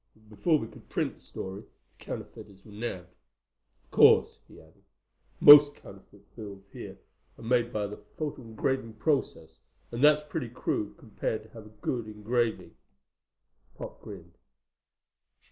But before we could print the story, the counterfeiters were nabbed. Of course," he added, "most counterfeit bills here are made by the photoengraving process, and that's pretty crude compared to a good engraving." Pop grinned.